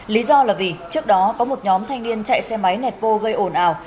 lý do là vì trước đó có một nhóm thanh niên chạy xe máy nẹt vô gây ổn ảo